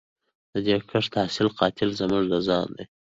د دې کښت حاصل قاتل زموږ د ځان دی